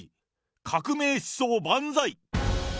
革命思想万歳。